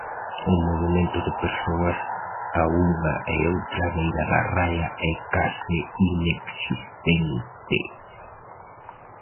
O movemento de persoas a unha e outra beira da raia é case inexistente.